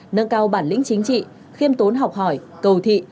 nâng cao bản lĩnh chính trị khiêm tốn học hỏi cầu thị